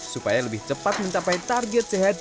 supaya lebih cepat mencapai target sehat